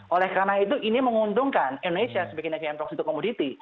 oleh karena itu ini menguntungkan indonesia sebagai negara yang proxy to commodity